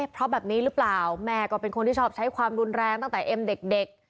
เพราะแบบนี้หรือเปล่าแม่ก็เป็นคนที่ชอบใช้ความรุนแรงตั้งแต่เอ็มเด็ก